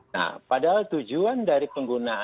nah padahal tujuan dari kpu ini